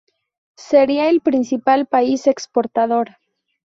Siria es el principal país exportador.